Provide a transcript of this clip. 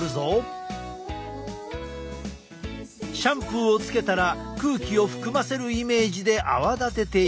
シャンプーをつけたら空気を含ませるイメージで泡立てていく。